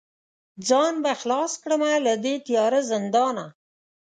ځان به خلاص کړمه له دې تیاره زندانه